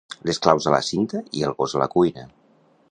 Les claus a la cinta i el gos a la cuina.